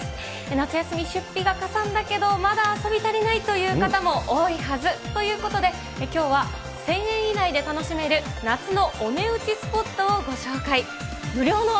夏休み出費がかさんだけど、まだ遊び足りないという方も多いはずということで、きょうは１０００円以内で楽しめる夏のお値打ちスポットをご紹介。